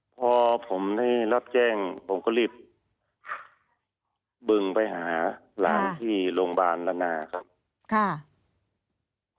พอผมได้รับแจ้งผมก็รีบบึงไปหาหลานที่โรงพยาบาลละนาครับ